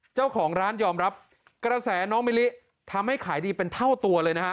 เจ้าของร้านยอมรับกระแสน้องมิลิทำให้ขายดีเป็นเท่าตัวเลยนะฮะ